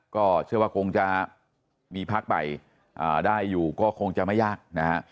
ก็เชื่อว่าคงจะมีพักใหม่ได้อยู่ก็คงจะไม่ยากนะฮะ